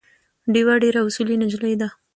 ډیوه ډېره اصولي نجلی ده